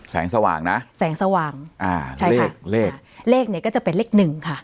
สว่างนะแสงสว่างอ่าใช้เลขเลขเนี้ยก็จะเป็นเลขหนึ่งค่ะ